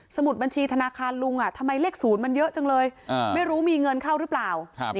มุดบัญชีธนาคารลุงทำไมเลข๐มันเยอะจังเลยไม่รู้มีเงินเข้าหรือเปล่า